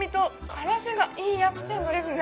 からしがいいアクセントですね